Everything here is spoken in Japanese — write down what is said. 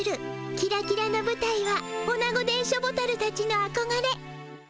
キラキラのぶたいはオナゴ電書ボタルたちのあこがれ。